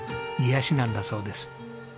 癒やしなんだそうです。